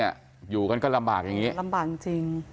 อยู่กันก็ลำบากอย่างนี้